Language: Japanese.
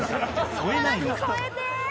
添えないのか？